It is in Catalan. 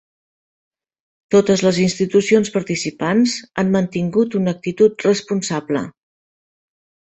Totes les institucions participants han mantingut una actitud responsable.